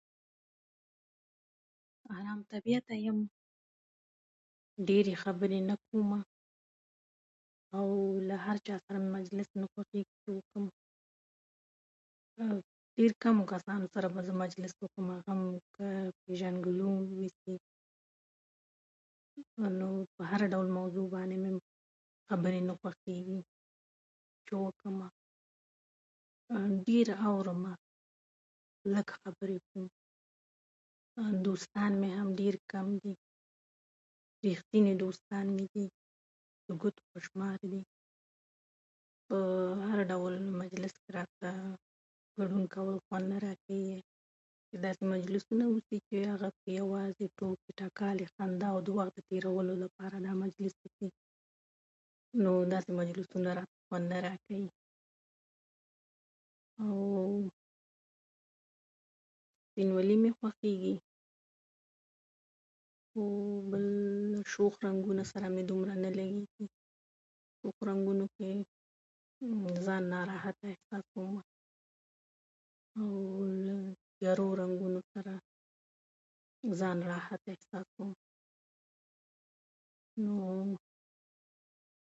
دا چې سږ کال بارانونه ډير شوي دي ،آيا کروندګر به وکړی شي چې د تېر کال پرتله له پټيو ښه حاصل ترلاسه کړي؟